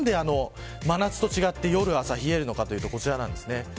何で真夏と違って夜、朝冷えるのかというとこちらです。